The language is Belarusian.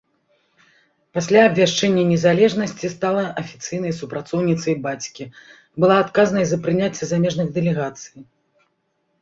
Пасля абвяшчэння незалежнасці стала афіцыйнай супрацоўніцай бацькі, была адказнай за прыняцце замежных дэлегацый.